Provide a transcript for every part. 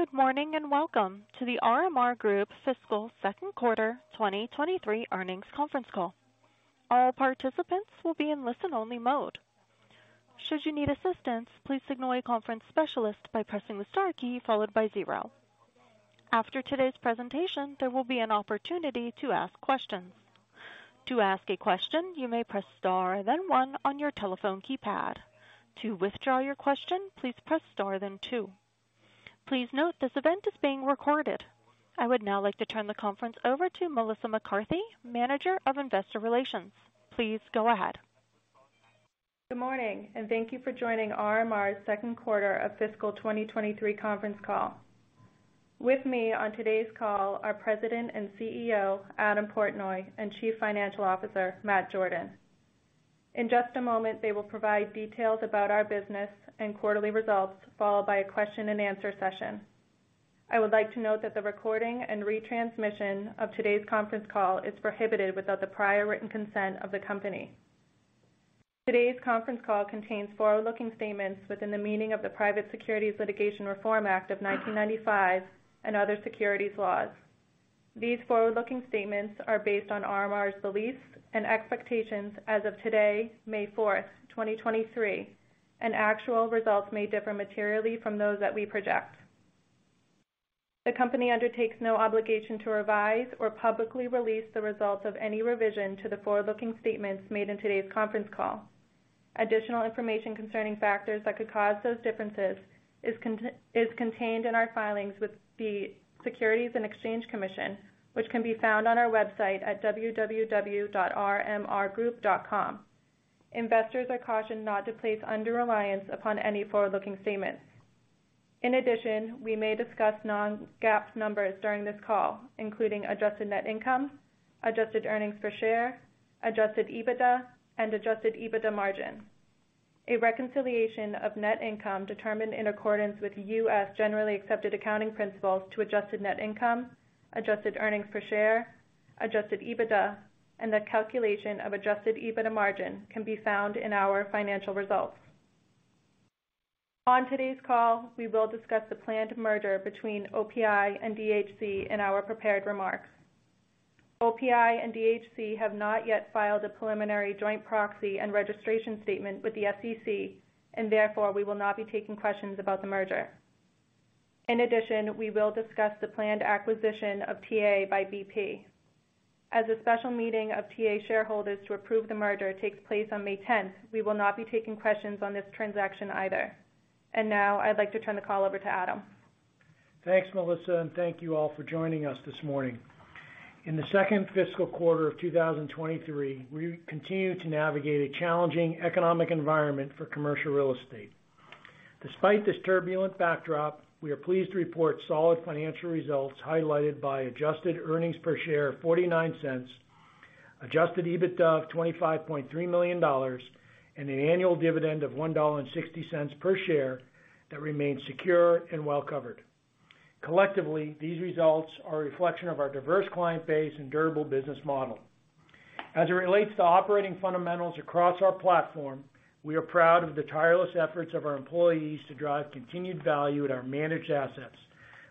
Good morning, welcome to The RMR Group Fiscal Second Quarter 2023 Earnings Conference Call. All participants will be in listen-only mode. Should you need assistance, please signal a conference specialist by pressing the star key followed by zero. After today's presentation, there will be an opportunity to ask questions. To ask a question, you may press star and then one on your telephone keypad. To withdraw your question, please press star, then two. Please note this event is being recorded. I would now like to turn the conference over to Melissa McCarthy, Manager of Investor Relations. Please go ahead. Good morning, thank you for joining RMR's second quarter of fiscal 2023 conference call. With me on today's call are President and CEO, Adam Portnoy, and Chief Financial Officer, Matt Jordan. In just a moment, they will provide details about our business and quarterly results, followed by a question-and-answer session. I would like to note that the recording and retransmission of today's conference call is prohibited without the prior written consent of the company. Today's conference call contains forward-looking statements within the meaning of the Private Securities Litigation Reform Act of 1995 and other securities laws. These forward-looking statements are based on RMR's beliefs and expectations as of today, May 4th, 2023, and actual results may differ materially from those that we project. The company undertakes no obligation to revise or publicly release the results of any revision to the forward-looking statements made in today's conference call. Additional information concerning factors that could cause those differences is contained in our filings with the Securities and Exchange Commission, which can be found on our website at www.rmrgroup.com. Investors are cautioned not to place undue reliance upon any forward-looking statements. We may discuss non-GAAP numbers during this call, including adjusted net income, adjusted earnings per share, Adjusted EBITDA, and Adjusted EBITDA margin. A reconciliation of net income determined in accordance with U.S. generally accepted accounting principles to adjusted net income, adjusted earnings per share, Adjusted EBITDA, and the calculation of Adjusted EBITDA margin can be found in our financial results. On today's call, we will discuss the planned merger between OPI and DHC in our prepared remarks. OPI and DHC have not yet filed a preliminary joint proxy and registration statement with the SEC, and therefore, we will not be taking questions about the merger. In addition, we will discuss the planned acquisition of TA by BP. As a special meeting of TA shareholders to approve the merger takes place on May 10th, we will not be taking questions on this transaction either. Now I'd like to turn the call over to Adam. Thanks, Melissa. Thank you all for joining us this morning. In the second fiscal quarter of 2023, we continued to navigate a challenging economic environment for commercial real estate. Despite this turbulent backdrop, we are pleased to report solid financial results, highlighted by adjusted earnings per share of $0.49, Adjusted EBITDA of $25.3 million, and an annual dividend of $1.60 per share that remains secure and well covered. Collectively, these results are a reflection of our diverse client base and durable business model. As it relates to operating fundamentals across our platform, we are proud of the tireless efforts of our employees to drive continued value at our managed assets.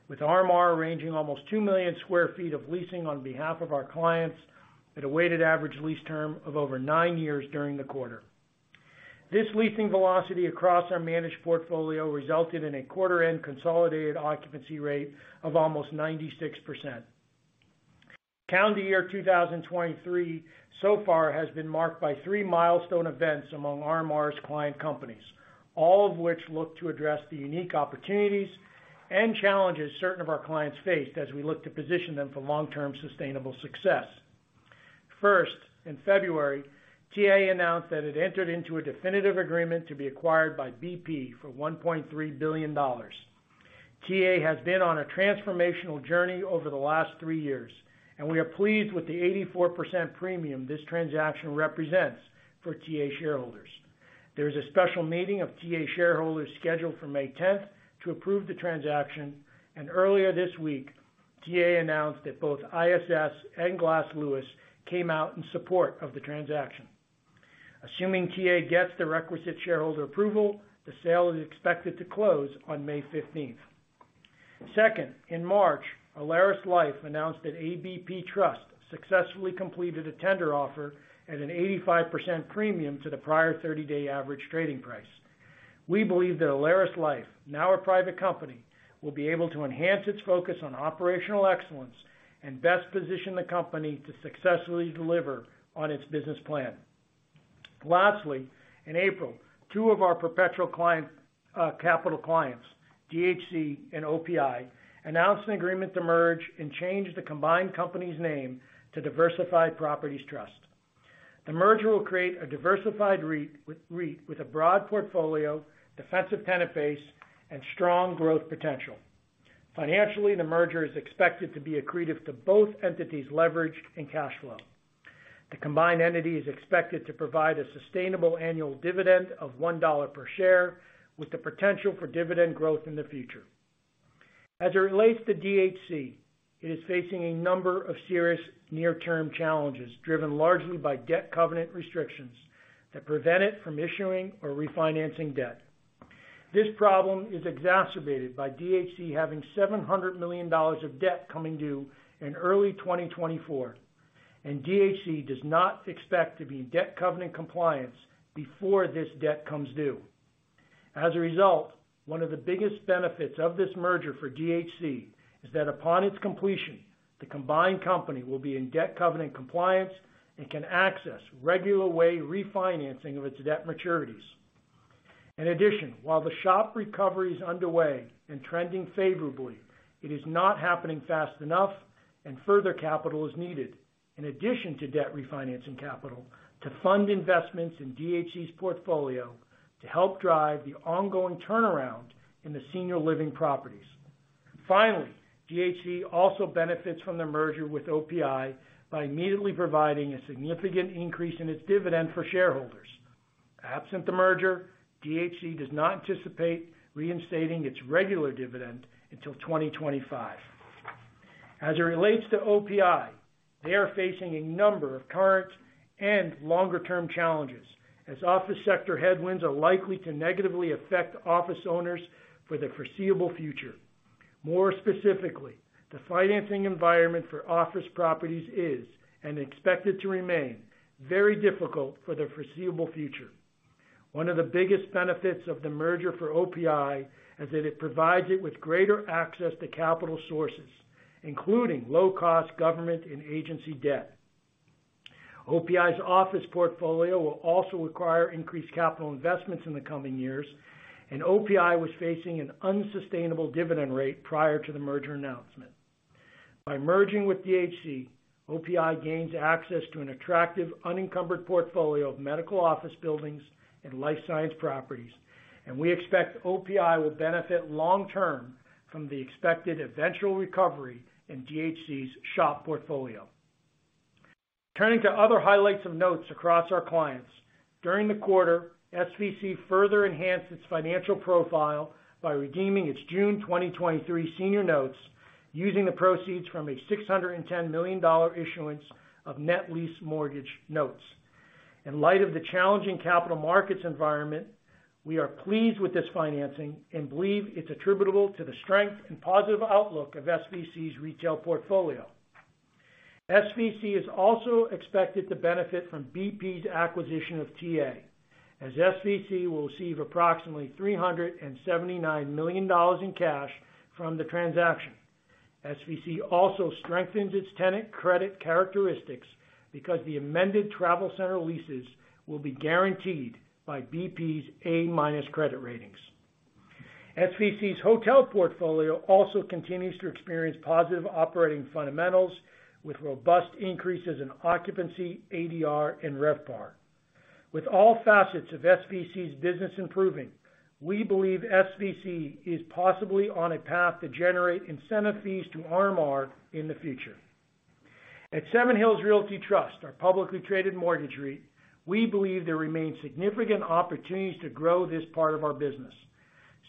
With RMR arranging almost 2 million sq ft of leasing on behalf of our clients at a weighted average lease term of over nine years during the quarter. This leasing velocity across our managed portfolio resulted in a quarter-end consolidated occupancy rate of almost 96%. Calendar year 2023 so far has been marked by three milestone events among RMR's client companies, all of which look to address the unique opportunities and challenges certain of our clients faced as we look to position them for long-term sustainable success. First, in February, TA announced that it entered into a definitive agreement to be acquired by BP for $1.3 billion. TA has been on a transformational journey over the last three years, and we are pleased with the 84% premium this transaction represents for TA shareholders. There is a special meeting of TA shareholders scheduled for May 10th to approve the transaction, and earlier this week, TA announced that both ISS and Glass Lewis came out in support of the transaction. Assuming TA gets the requisite shareholder approval, the sale is expected to close on May 15th. Second, in March, AlerisLife announced that ABP Trust successfully completed a tender offer at an 85% premium to the prior 30-day average trading price. We believe that AlerisLife, now a private company, will be able to enhance its focus on operational excellence and best position the company to successfully deliver on its business plan. Lastly, in April, two of our perpetual client capital clients, DHC and OPI, announced an agreement to merge and change the combined company's name to Diversified Properties Trust. The merger will create a diversified REIT with a broad portfolio, defensive tenant base, and strong growth potential. Financially, the merger is expected to be accretive to both entities' leverage and cash flow. The combined entity is expected to provide a sustainable annual dividend of $1 per share, with the potential for dividend growth in the future. As it relates to DHC. It is facing a number of serious near-term challenges, driven largely by debt covenant restrictions that prevent it from issuing or refinancing debt. This problem is exacerbated by DHC having $700 million of debt coming due in early 2024, and DHC does not expect to be in debt covenant compliance before this debt comes due. As a result, one of the biggest benefits of this merger for DHC is that upon its completion, the combined company will be in debt covenant compliance and can access regular way refinancing of its debt maturities. In addition, while the SHOP recovery is underway and trending favorably, it is not happening fast enough and further capital is needed in addition to debt refinancing capital to fund investments in DHC's portfolio to help drive the ongoing turnaround in the senior living properties. Finally, DHC also benefits from the merger with OPI by immediately providing a significant increase in its dividend for shareholders. Absent the merger, DHC does not anticipate reinstating its regular dividend until 2025. As it relates to OPI, they are facing a number of current and longer-term challenges, as office sector headwinds are likely to negatively affect office owners for the foreseeable future. More specifically, the financing environment for office properties is, and expected to remain, very difficult for the foreseeable future. One of the biggest benefits of the merger for OPI is that it provides it with greater access to capital sources, including low-cost government and agency debt. OPI's office portfolio will also require increased capital investments in the coming years, and OPI was facing an unsustainable dividend rate prior to the merger announcement. By merging with DHC, OPI gains access to an attractive unencumbered portfolio of medical office buildings and life science properties. We expect OPI will benefit long-term from the expected eventual recovery in DHC's SHOP portfolio. Turning to other highlights of notes across our clients. During the quarter, SVC further enhanced its financial profile by redeeming its June 2023 senior notes using the proceeds from a $610 million issuance of net lease mortgage notes. In light of the challenging capital markets environment, we are pleased with this financing and believe it's attributable to the strength and positive outlook of SVC's retail portfolio. SVC is also expected to benefit from BP's acquisition of TA, as SVC will receive approximately $379 million in cash from the transaction. SVC also strengthens its tenant credit characteristics because the amended travel center leases will be guaranteed by BP's A minus credit ratings. SVC's hotel portfolio also continues to experience positive operating fundamentals with robust increases in occupancy, ADR, and RevPAR. With all facets of SVC's business improving, we believe SVC is possibly on a path to generate incentive fees to RMR in the future. At Seven Hills Realty Trust, our publicly traded mortgage REIT, we believe there remains significant opportunities to grow this part of our business.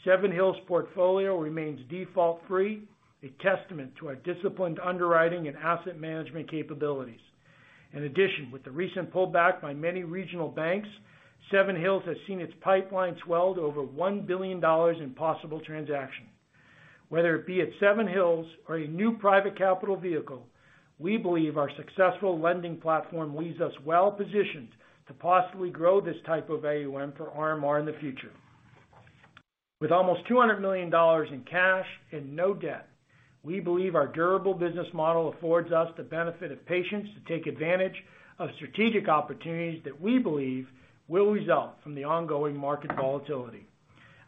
Seven Hills' portfolio remains default-free, a testament to our disciplined underwriting and asset management capabilities. In addition, with the recent pullback by many regional banks, Seven Hills has seen its pipeline swell to over $1 billion in possible transaction. Whether it be at Seven Hills or a new private capital vehicle, we believe our successful lending platform leaves us well positioned to possibly grow this type of AUM for RMR in the future. With almost $200 million in cash and no debt, we believe our durable business model affords us the benefit of patience to take advantage of strategic opportunities that we believe will result from the ongoing market volatility.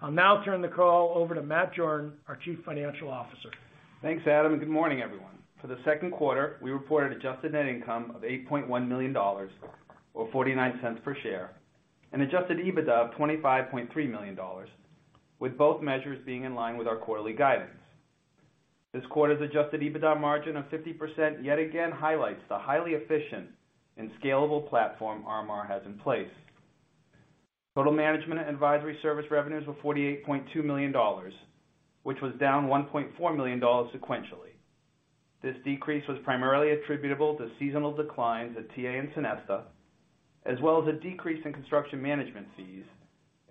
I'll now turn the call over to Matt Jordan, our Chief Financial Officer. Thanks, Adam, and good morning, everyone. For the second quarter, we reported adjusted net income of $8.1 million, or $0.49 per share, and Adjusted EBITDA of $25.3 million, with both measures being in line with our quarterly guidance. This quarter's Adjusted EBITDA margin of 50% yet again highlights the highly efficient and scalable platform RMR has in place. Total management and advisory service revenues were $48.2 million, which was down $1.4 million sequentially. This decrease was primarily attributable to seasonal declines at TA and Sonesta, as well as a decrease in construction management fees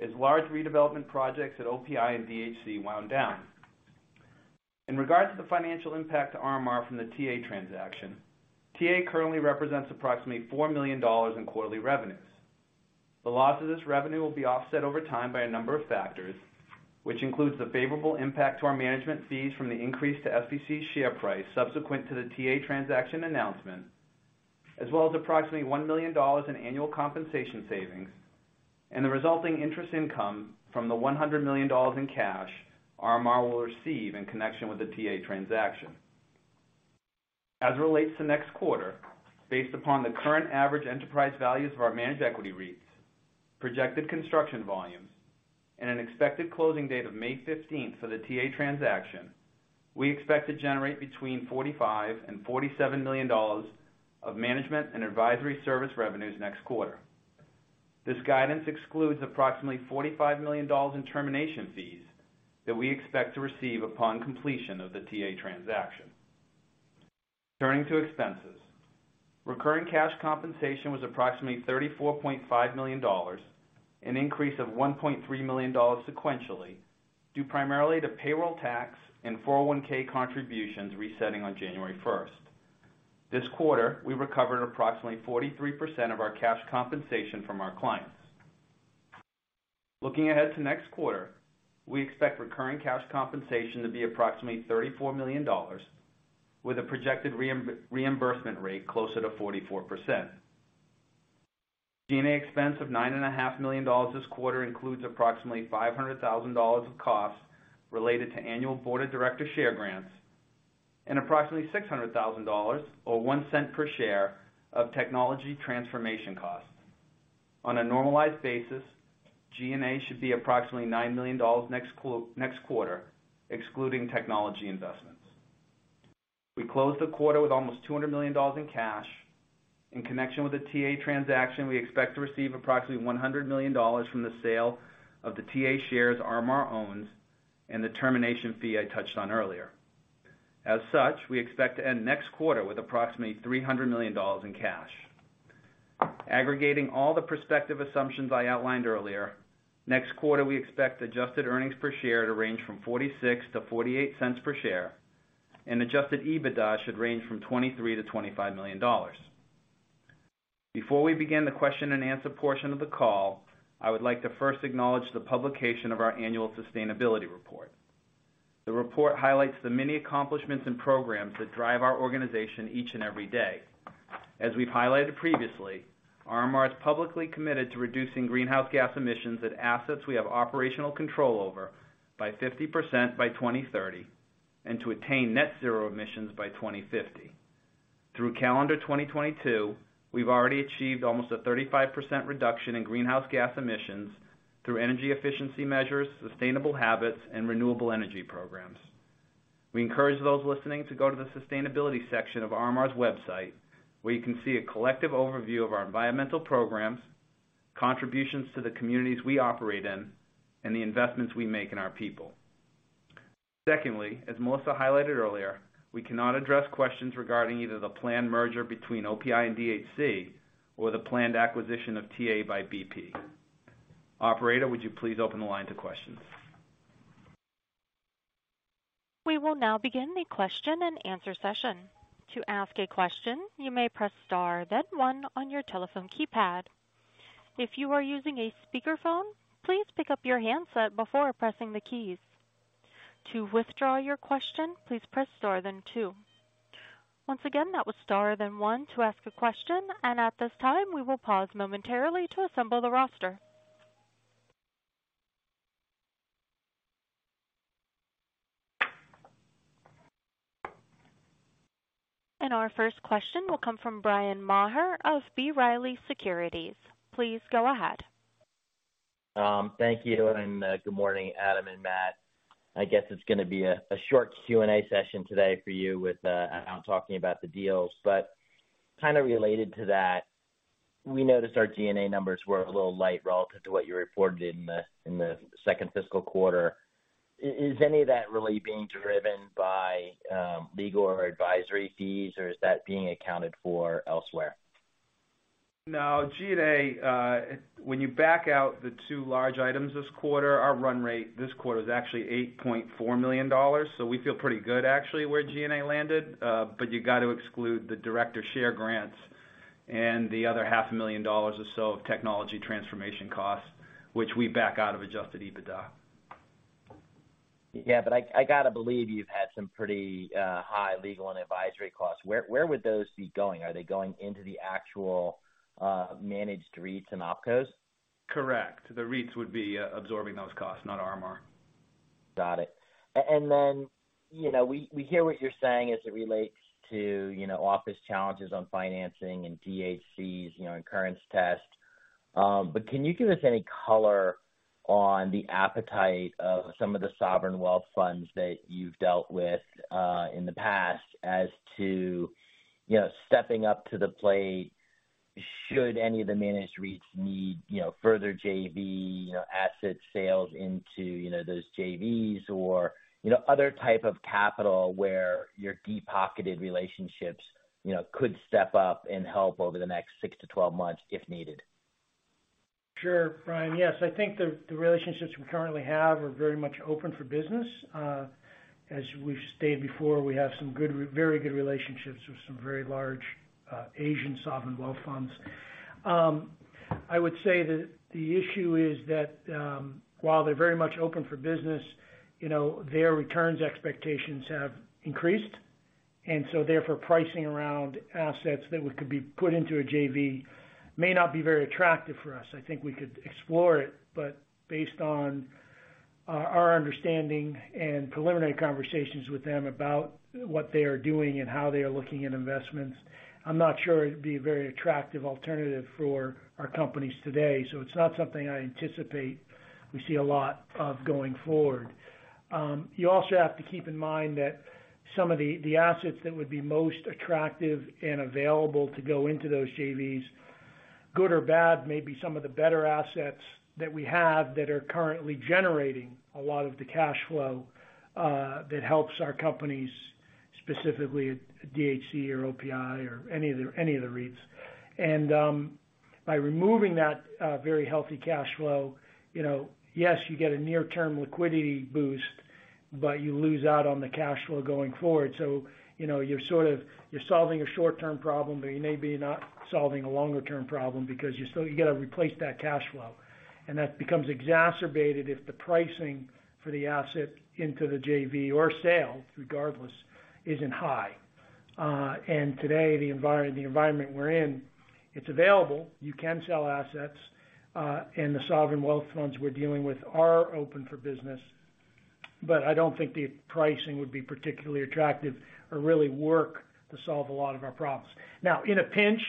as large redevelopment projects at OPI and DHC wound down. In regards to the financial impact to RMR from the TA transaction, TA currently represents approximately $4 million in quarterly revenues. The loss of this revenue will be offset over time by a number of factors, which includes the favorable impact to our management fees from the increase to SVC's share price subsequent to the TA transaction announcement, as well as approximately $1 million in annual compensation savings and the resulting interest income from the $100 million in cash RMR will receive in connection with the TA transaction. As it relates to next quarter, based upon the current average enterprise values of our managed equity REITs, projected construction volumes, and an expected closing date of May 15th for the TA transaction, we expect to generate between $45 million and $47 million of management and advisory service revenues next quarter. This guidance excludes approximately $45 million in termination fees that we expect to receive upon completion of the TA transaction. Turning to expenses. Recurring cash compensation was approximately $34.5 million, an increase of $1.3 million sequentially, due primarily to payroll tax and 401(k) contributions resetting on January 1st. This quarter, we recovered approximately 43% of our cash compensation from our clients. Looking ahead to next quarter, we expect recurring cash compensation to be approximately $34 million with a projected reimbursement rate closer to 44%. G&A expense of nine and a half million dollars this quarter includes approximately $500,000 of costs related to annual board of director share grants and approximately $600,000 or $0.01 per share of technology transformation costs. On a normalized basis, G&A should be approximately $9 million next quarter, excluding technology investments. We closed the quarter with almost $200 million in cash. In connection with the TA transaction, we expect to receive approximately $100 million from the sale of the TA shares RMR owns and the termination fee I touched on earlier. We expect to end next quarter with approximately $300 million in cash. Aggregating all the prospective assumptions I outlined earlier, next quarter, we expect adjusted earnings per share to range from $0.46-$0.48 per share, and Adjusted EBITDA should range from $23 million-$25 million. Before we begin the question and answer portion of the call, I would like to first acknowledge the publication of our annual sustainability report. The report highlights the many accomplishments and programs that drive our organization each and every day. As we've highlighted previously, RMR is publicly committed to reducing greenhouse gas emissions at assets we have operational control over by 50% by 2030, and to attain net zero emissions by 2050. Through calendar 2022, we've already achieved almost a 35% reduction in greenhouse gas emissions through energy efficiency measures, sustainable habits, and renewable energy programs. We encourage those listening to go to the sustainability section of RMR's website, where you can see a collective overview of our environmental programs, contributions to the communities we operate in, and the investments we make in our people. Secondly, as Melissa highlighted earlier, we cannot address questions regarding either the planned merger between OPI and DHC or the planned acquisition of TA by BP. Operator, would you please open the line to questions? We will now begin the question-and-answer session. To ask a question, you may press star, then one on your telephone keypad. If you are using a speakerphone, please pick up your handset before pressing the keys. To withdraw your question, please press star then two. Once again, that was star then one to ask a question. At this time, we will pause momentarily to assemble the roster. Our first question will come from Bryan Maher of B. Riley Securities. Please go ahead. Thank you and good morning, Adam and Matt. I guess it's gonna be a short Q&A session today for you with not talking about the deals. Kinda related to that, we noticed our G&A numbers were a little light relative to what you reported in the second fiscal quarter. Is any of that really being driven by legal or advisory fees, or is that being accounted for elsewhere? No. G&A, when you back out the two large items this quarter, our run rate this quarter is actually $8.4 million. We feel pretty good actually, where G&A landed. You got to exclude the director share grants and the other half a million dollars or so of technology transformation costs, which we back out of Adjusted EBITDA. I gotta believe you've had some pretty high legal and advisory costs. Where would those be going? Are they going into the actual managed REITs and OpCos? Correct. The REITs would be absorbing those costs, not RMR. Got it. Then, you know, we hear what you're saying as it relates to, you know, office challenges on financing and DHCs, you know, and currents test. Can you give us any color on the appetite of some of the sovereign wealth funds that you've dealt with in the past as to, you know, stepping up to the plate, should any of the managed REITs need, you know, further JV, you know, asset sales into, you know, those JVs or, you know, other type of capital where your deep-pocketed relationships, you know, could step up and help over the next six to 12 months if needed? Sure, Bryan. Yes, I think the relationships we currently have are very much open for business. As we've stated before, we have some very good relationships with some very large Asian sovereign wealth funds. I would say that the issue is that, while they're very much open for business, you know, their returns expectations have increased, and so therefore, pricing around assets that could be put into a JV may not be very attractive for us. I think we could explore it, but based on our understanding and preliminary conversations with them about what they are doing and how they are looking at investments, I'm not sure it'd be a very attractive alternative for our companies today. It's not something I anticipate we see a lot of going forward. You also have to keep in mind that some of the assets that would be most attractive and available to go into those JVs. Good or bad, maybe some of the better assets that we have that are currently generating a lot of the cash flow that helps our companies, specifically at DHC or OPI or any other, any of the REITs. By removing that very healthy cash flow, you know, yes, you get a near-term liquidity boost, but you lose out on the cash flow going forward. You know, you're sort of, you're solving a short-term problem, but you may be not solving a longer-term problem because you still, you gotta replace that cash flow. That becomes exacerbated if the pricing for the asset into the JV or sale, regardless, isn't high. Today, the environment we're in, it's available. You can sell assets. The sovereign wealth funds we're dealing with are open for business. I don't think the pricing would be particularly attractive or really work to solve a lot of our problems. In a pinch,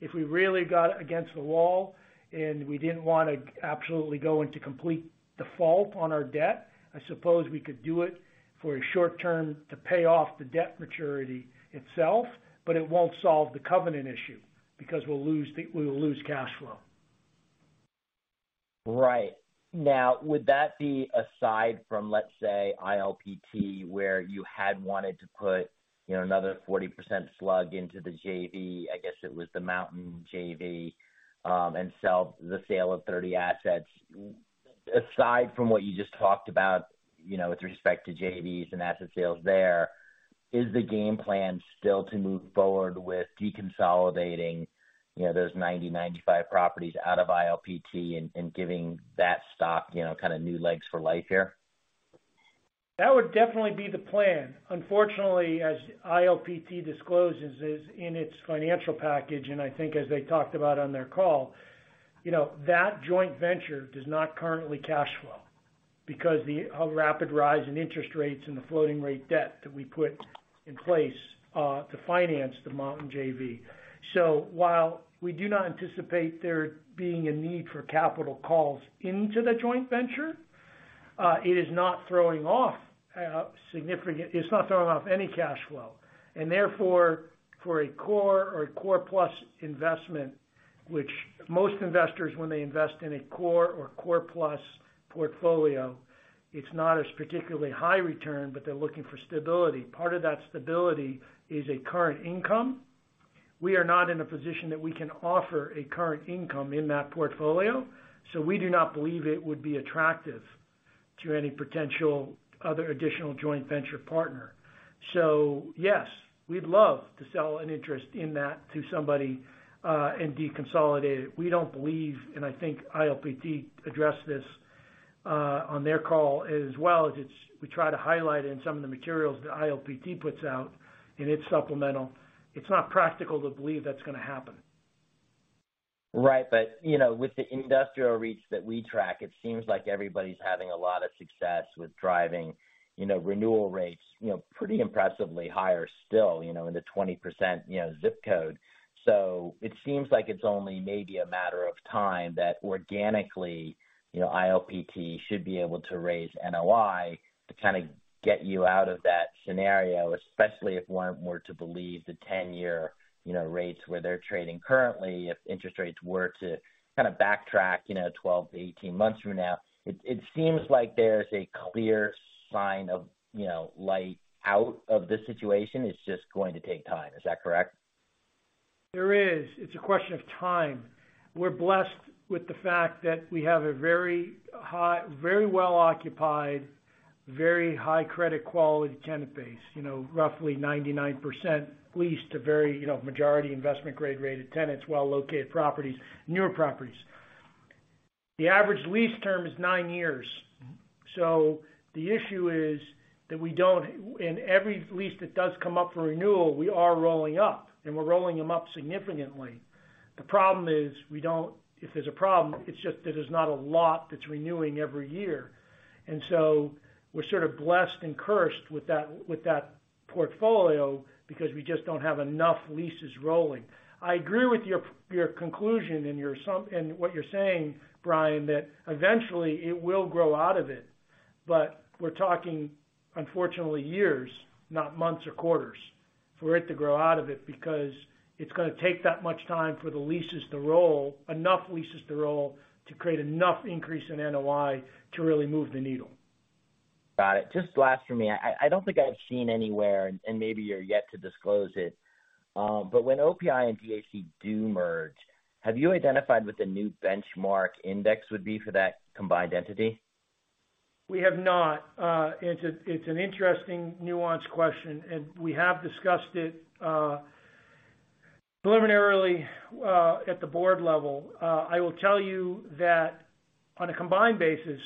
if we really got against the wall and we didn't wanna absolutely go into complete default on our debt, I suppose we could do it for a short term to pay off the debt maturity itself. It won't solve the covenant issue because we'll lose cash flow. Right. Now, would that be aside from, let's say, ILPT, where you had wanted to put, you know, another 40% slug into the JV, I guess it was the Mountain JV, and the sale of 30 assets. Aside from what you just talked about, you know, with respect to JVs and asset sales there, is the game plan still to move forward with deconsolidating, you know, those 90, 95 properties out of ILPT and giving that stock, you know, kind of new legs for life here? That would definitely be the plan. Unfortunately, as ILPT discloses this in its financial package, and I think as they talked about on their call, you know, that joint venture does not currently cash flow because the rapid rise in interest rates and the floating rate debt that we put in place to finance the Mountain JV. While we do not anticipate there being a need for capital calls into the joint venture, it is not throwing off any cash flow. Therefore, for a core or a core plus investment, which most investors when they invest in a core or core plus portfolio, it's not as particularly high return, but they're looking for stability. Part of that stability is a current income. We are not in a position that we can offer a current income in that portfolio, so we do not believe it would be attractive to any potential other additional joint venture partner. Yes, we'd love to sell an interest in that to somebody and deconsolidate it. We don't believe, and I think ILPT addressed this on their call as well, as we try to highlight in some of the materials that ILPT puts out in its supplemental. It's not practical to believe that's gonna happen. Right. You know, with the industrial REIT that we track, it seems like everybody's having a lot of success with driving, you know, renewal rates, you know, pretty impressively higher still, you know, in the 20%, you know, zip code. It seems like it's only maybe a matter of time that organically, you know, ILPT should be able to raise NOI to kinda get you out of that scenario, especially if one were to believe the 10-year, you know, rates where they're trading currently, if interest rates were to kinda backtrack, you know, 12-18 months from now. It seems like there's a clear sign of, you know, light out of this situation. It's just going to take time. Is that correct? There is. It's a question of time. We're blessed with the fact that we have a very well occupied, very high credit quality tenant base. You know, roughly 99% leased to very, you know, majority investment-grade rated tenants, well-located properties, newer properties. The average lease term is nine years. The issue is that we don't. In every lease that does come up for renewal, we are rolling up, and we're rolling them up significantly. The problem is, we don't. If there's a problem, it's just that there's not a lot that's renewing every year. We're sort of blessed and cursed with that, with that portfolio because we just don't have enough leases rolling. I agree with your conclusion and what you're saying, Bryan, that eventually it will grow out of it. We're talking, unfortunately, years, not months or quarters, for it to grow out of it because it's gonna take that much time for the leases to roll, enough leases to roll, to create enough increase in NOI to really move the needle. Got it. Just last for me, I don't think I've seen anywhere, and maybe you're yet to disclose it, but when OPI and DHC do merge, have you identified what the new benchmark index would be for that combined entity? We have not. It's a, it's an interesting nuanced question, and we have discussed it, preliminarily, at the board level. I will tell you that on a combined basis,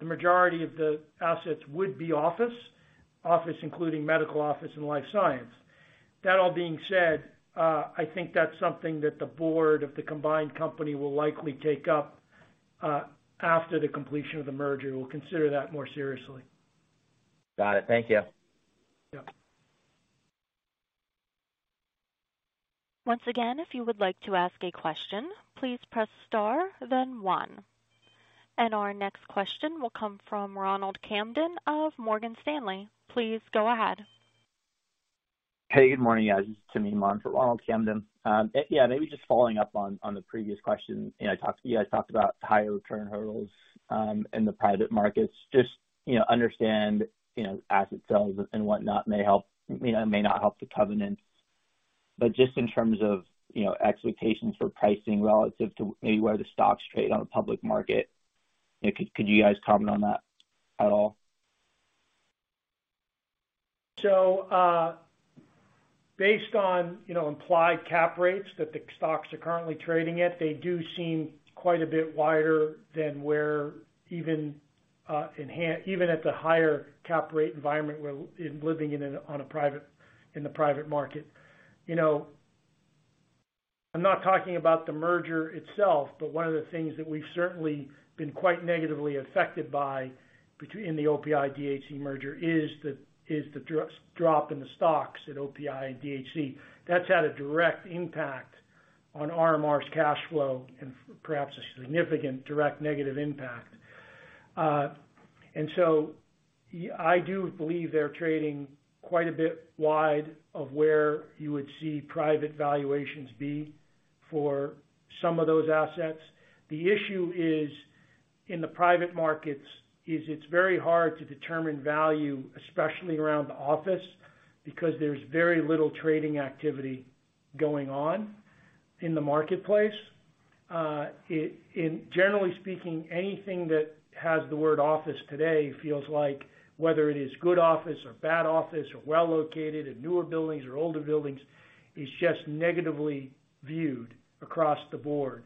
the majority of the assets would be office including medical office and life science. That all being said, I think that's something that the board of the combined company will likely take up, after the completion of the merger. We'll consider that more seriously. Got it. Thank you. Yeah. Once again, if you would like to ask a question, please press star then one. Our next question will come from Ronald Kamdem of Morgan Stanley. Please go ahead. Hey, good morning guys. This is Tim for Ronald Kamdem. Maybe just following up on the previous question. You know, I talked to you, I talked about higher return hurdles in the private markets. Just, you know, understand, you know, asset sales and whatnot may help, you know, may not help the covenant. Just in terms of, you know, expectations for pricing relative to maybe where the stocks trade on the public market, could you guys comment on that at all? Based on, you know, implied cap rates that the stocks are currently trading at, they do seem quite a bit wider than where even at the higher cap rate environment we're living in, on a private, in the private market. You know, I'm not talking about the merger itself, but one of the things that we've certainly been quite negatively affected by in the OPI-DHC merger is the drop in the stocks at OPI and DHC. That's had a direct impact on RMR's cash flow and perhaps a significant direct negative impact. I do believe they're trading quite a bit wide of where you would see private valuations be for some of those assets. The issue is in the private markets is it's very hard to determine value, especially around the office, because there's very little trading activity going on in the marketplace. Generally speaking, anything that has the word office today feels like whether it is good office or bad office or well located and newer buildings or older buildings, is just negatively viewed across the board.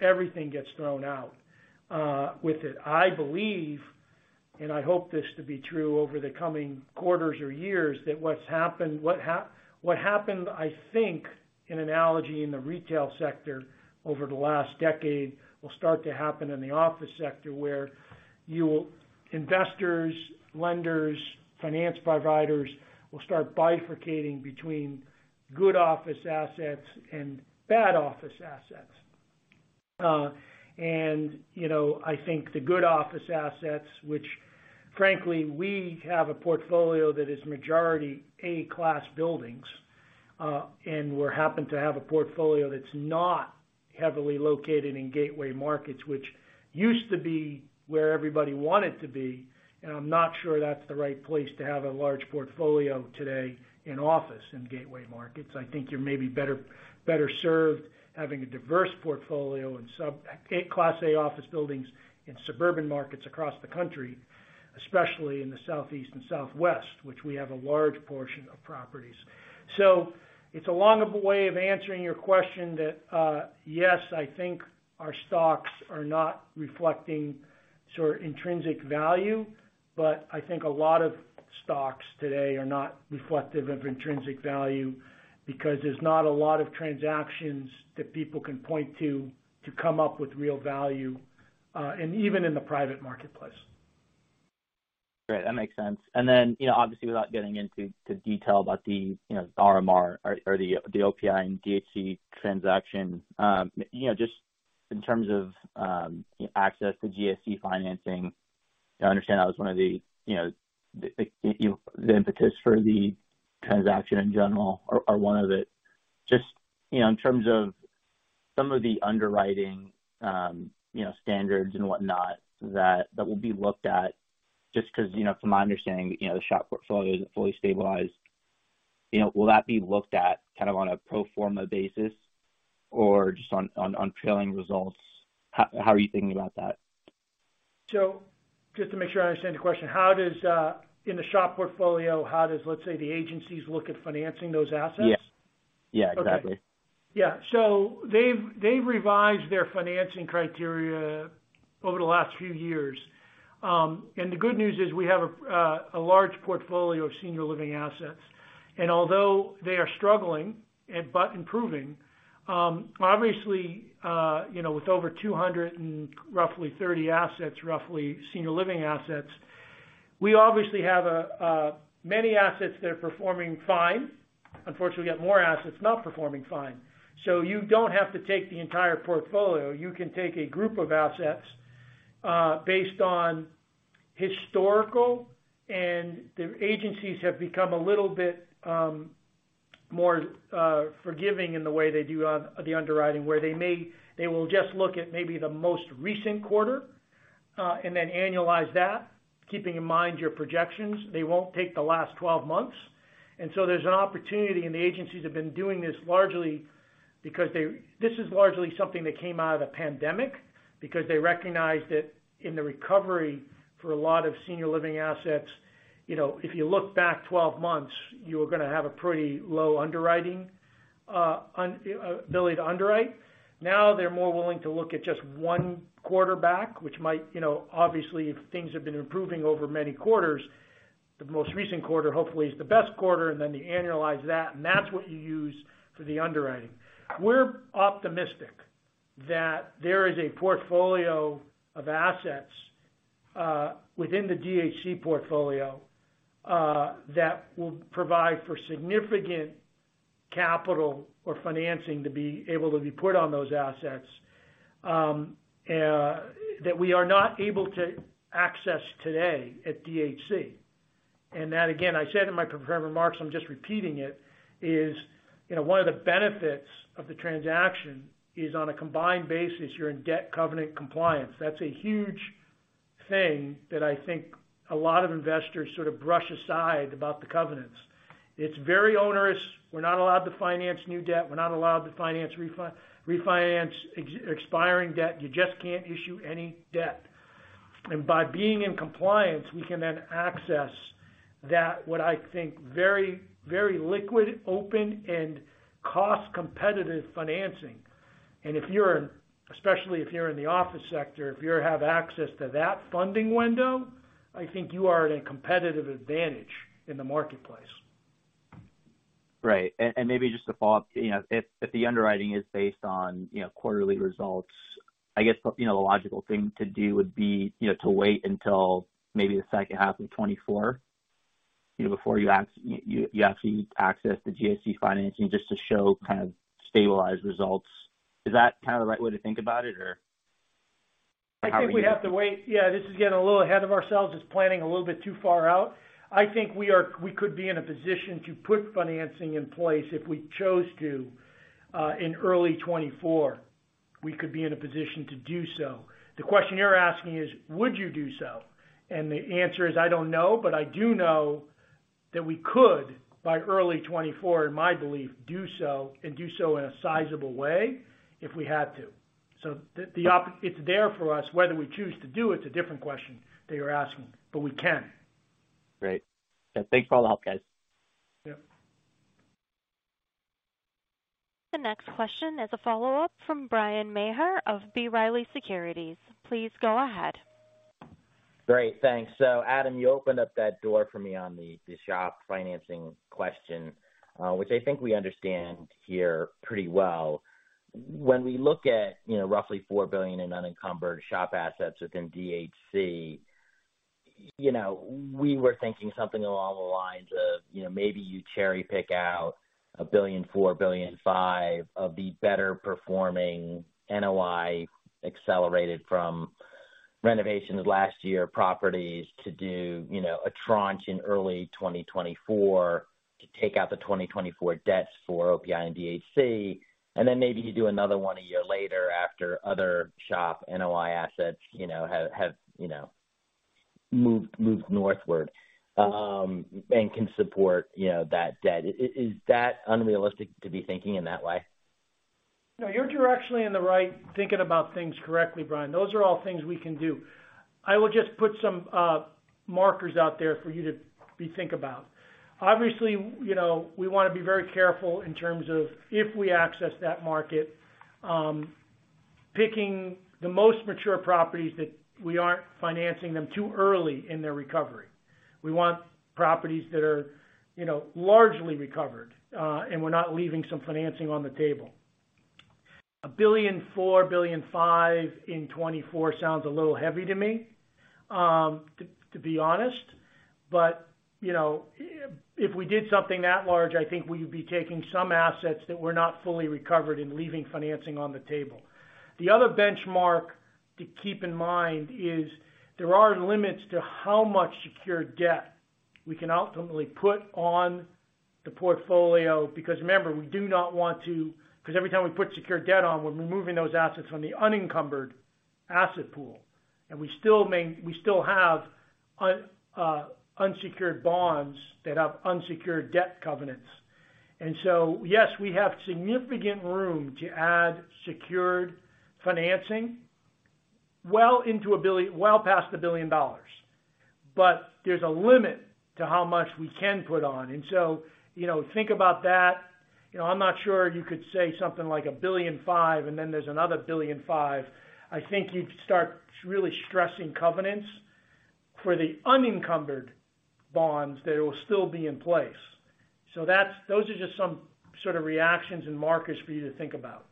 Everything gets thrown out with it. I believe, I hope this to be true over the coming quarters or years, that what happened, I think, in analogy in the retail sector over the last decade, will start to happen in the office sector, where you will, investors, lenders, finance providers, will start bifurcating between good office assets and bad office assets. you know, I think the good office assets, which frankly, we have a portfolio that is majority Class A buildings, and we happen to have a portfolio that's not heavily located in gateway markets, which used to be where everybody wanted to be, and I'm not sure that's the right place to have a large portfolio today in office in gateway markets. I think you're maybe better served having a diverse portfolio in Class A office buildings in suburban markets across the country, especially in the Southeast and Southwest, which we have a large portion of properties. It's a long way of answering your question that, yes, I think our stocks are not reflecting sort of intrinsic value, but I think a lot of stocks today are not reflective of intrinsic value because there's not a lot of transactions that people can point to come up with real value, and even in the private marketplace. Great, that makes sense. You know, obviously without getting into the detail about the, you know, RMR or the OPI and DHC transaction, you know, just in terms of access to GSE financing, I understand that was one of the, you know, the impetus for the transaction in general or one of it. Just, you know, in terms of some of the underwriting, you know, standards and whatnot that will be looked at just 'cause, you know, from my understanding, you know, the SHOP portfolio isn't fully stabilized. You know, will that be looked at kind of on a pro forma basis or just on trailing results? How are you thinking about that? Just to make sure I understand the question, how does, in the SHOP portfolio, how does, let's say, the agencies look at financing those assets? Yeah. Yeah, exactly. Okay. Yeah. They've revised their financing criteria over the last few years. The good news is we have a large portfolio of senior living assets. Although they are struggling and but improving, obviously, you know, with over 230 assets, roughly senior living assets, we obviously have many assets that are performing fine. Unfortunately, we got more assets not performing fine. You don't have to take the entire portfolio. You can take a group of assets, based on historical, and the agencies have become a little bit more forgiving in the way they do the underwriting, where they will just look at maybe the most recent quarter, and then annualize that, keeping in mind your projections. They won't take the last 12 months. There's an opportunity, and the agencies have been doing this largely because this is largely something that came out of the pandemic because they recognized that in the recovery for a lot of senior living assets, you know, if you look back 12 months, you're gonna have a pretty low underwriting ability to underwrite. Now they're more willing to look at just 1 quarter back, which might, you know, obviously, if things have been improving over many quarters, the most recent quarter hopefully is the best quarter, and then they annualize that, and that's what you use for the underwriting. We're optimistic that there is a portfolio of assets within the DHC portfolio that will provide for significant capital or financing to be able to be put on those assets that we are not able to access today at DHC. That, again, I said in my prepared remarks, I'm just repeating it, is, you know, one of the benefits of the transaction is on a combined basis, you're in debt covenant compliance. That's a huge thing that I think a lot of investors sort of brush aside about the covenants. It's very onerous. We're not allowed to finance new debt. We're not allowed to finance refinance expiring debt. You just can't issue any debt. By being in compliance, we can then access that, what I think very liquid, open, and cost-competitive financing. If you're especially if you're in the office sector, if you have access to that funding window, I think you are at a competitive advantage in the marketplace. Right. Maybe just to follow up. You know, if the underwriting is based on, you know, quarterly results, I guess the, you know, the logical thing to do would be, you know, to wait until maybe the second half of 2024, you know, before you actually access the GSC financing just to show kind of stabilized results. Is that kind of the right way to think about it, or how are you. I think we have to wait. Yeah, this is getting a little ahead of ourselves. It's planning a little bit too far out. I think we could be in a position to put financing in place if we chose to, in early 2024. We could be in a position to do so. The question you're asking is, would you do so? The answer is, I don't know. I do know that we could, by early 2024, in my belief, do so, and do so in a sizable way if we had to. The op-- it's there for us. Whether we choose to do it is a different question that you're asking, but we can. Great. Yeah, thanks for all the help, guys. Yep. The next question is a follow-up from Bryan Maher of B. Riley Securities. Please go ahead. Great. Thanks. Adam, you opened up that door for me on the SHOP financing question, which I think we understand here pretty well. When we look at, you know, roughly $4 billion in unencumbered SHOP assets within DHC, you know, we were thinking something along the lines of, you know, maybe you cherry pick out $1.4 billion-$1.5 billion of the better performing NOI accelerated from renovations last year properties to do, you know, a tranche in early 2024 to take out the 2024 debts for OPI and DHC. Maybe you do another one a year later after other SHOP NOI assets, you know, have, you know, moved northward, and can support, you know, that debt. Is that unrealistic to be thinking in that way? No, you're directionally in the right thinking about things correctly, Bryan. Those are all things we can do. I will just put some markers out there for you to be think about. Obviously, you know, we wanna be very careful in terms of if we access that market, picking the most mature properties that we aren't financing them too early in their recovery. We want properties that are, you know, largely recovered, and we're not leaving some financing on the table. A $1.4 billion-$1.5 billion in 2024 sounds a little heavy to me, to be honest. You know, if we did something that large, I think we would be taking some assets that were not fully recovered and leaving financing on the table. The other benchmark to keep in mind is there are limits to how much secured debt we can ultimately put on the portfolio, because remember, we do not want to 'cause every time we put secured debt on, we're removing those assets from the unencumbered asset pool, and we still have unsecured bonds that have unsecured debt covenants. Yes, we have significant room to add secured financing well past $1 billion, but there's a limit to how much we can put on. You know, think about that. You know, I'm not sure you could say something like $1.5 billion, and then there's another $1.5 billion. I think you'd start really stressing covenants for the unencumbered bonds that will still be in place. Those are just some sort of reactions and markers for you to think about.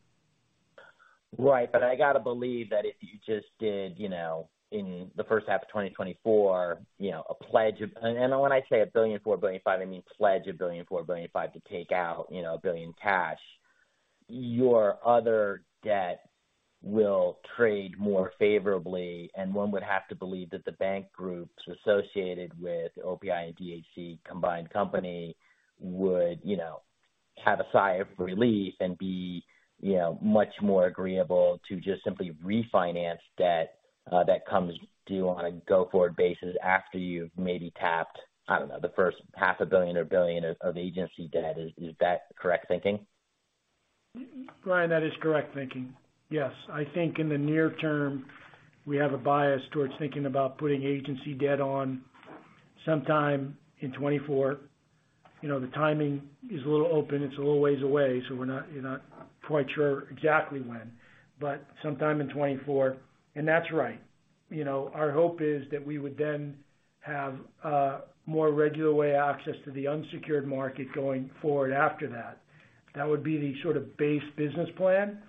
Right. I gotta believe that if you just did, you know, in the first half of 2024, you know, a pledge of. When I say $1.4 billion, $1.5 billion, I mean pledge $1.4 billion, $1.5 billion to take out, you know, $1 billion cash, your other debt will trade more favorably. One would have to believe that the bank groups associated with OPI and DHC combined company would, you know, have a sigh of relief and be, you know, much more agreeable to just simply refinance debt that comes due on a go-forward basis after you've maybe tapped, I don't know, the first $500 million or $1 billion of agency debt. Is that correct thinking? Bryan, that is correct thinking. Yes. I think in the near term, we have a bias towards thinking about putting agency debt on sometime in 2024. You know, the timing is a little open, it's a little ways away, so we're not, you know, quite sure exactly when, but sometime in 2024. That's right. You know, our hope is that we would then have a more regular way access to the unsecured market going forward after that. That would be the sort of base business plan.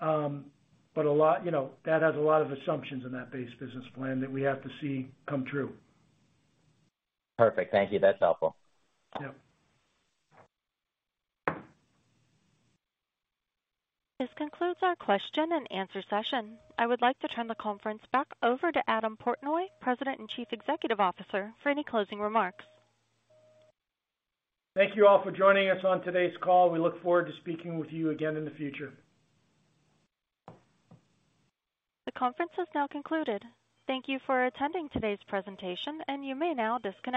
A lot, you know, that has a lot of assumptions in that base business plan that we have to see come true. Perfect. Thank you. That's helpful. Yep. This concludes our question-and-answer session. I would like to turn the conference back over to Adam Portnoy, President and Chief Executive Officer, for any closing remarks. Thank you all for joining us on today's call. We look forward to speaking with you again in the future. The conference has now concluded. Thank you for attending today's presentation, and you may now disconnect.